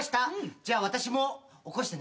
じゃあ私も起こしてね。